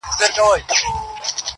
له ښكارونو به يې اخيستل خوندونه،